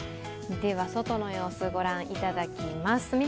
外の様子ご覧いただきます。